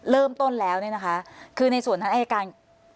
เริ่มต้นแล้วเนี่ยนะคะคือในส่วนทางอายการ